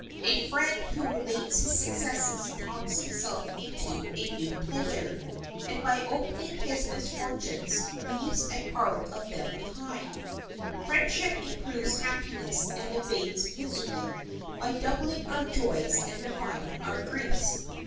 A friend who relates his successes talks himself into a new pleasure, and by opening his misfortunes leaves a part of them behind him. Friendship improves happiness and abates misery, by doubling our joys and dividing our griefs.